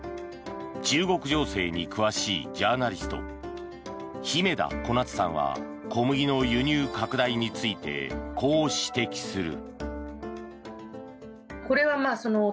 中国情勢に詳しいジャーナリスト姫田小夏さんは小麦の輸入拡大についてこう指摘する。